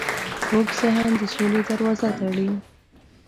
کوږ ذهن د سولې دروازه تړي